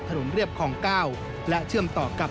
เรียบคลอง๙และเชื่อมต่อกับ